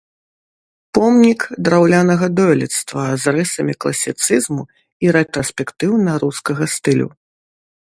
Помнік драўлянага дойлідства з рысамі класіцызму і рэтраспектыўна-рускага стылю.